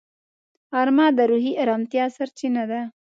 غرمه د روحي ارامتیا سرچینه ده